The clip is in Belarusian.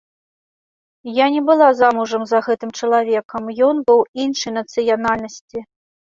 Я не была замужам за гэтым чалавекам, ён быў іншай нацыянальнасці.